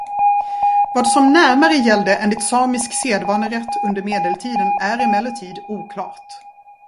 Vad som närmare gällde enligt samisk sedvanerätt under medeltiden är emellertid oklart.